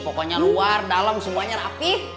pokoknya luar dalam semuanya rapih